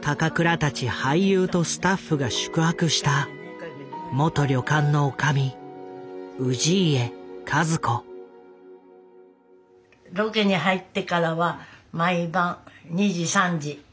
高倉たち俳優とスタッフが宿泊したロケに入ってからは毎晩２時３時帰ってくるの。